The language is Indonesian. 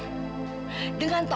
tidak ada foto